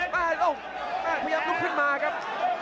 มาลงขยับลุกขึ้นมาครับ